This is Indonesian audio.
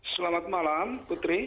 selamat malam putri